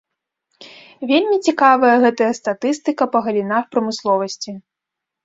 Вельмі цікавая гэтая статыстыка па галінах прамысловасці.